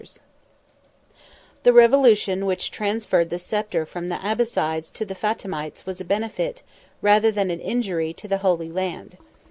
] The revolution which transferred the sceptre from the Abbassides to the Fatimites was a benefit, rather than an injury, to the Holy Land.